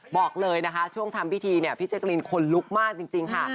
บอกเลยนะคะช่วงทำพิธีเนี่ยพี่แจ๊กรีนคนลุกมากจริงค่ะ